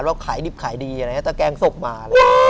แล้วขายดิบขายดีตะแกงศพมา